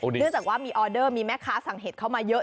เนื่องจากว่ามีออเดอร์มีแม่ค้าสั่งเห็ดเข้ามาเยอะ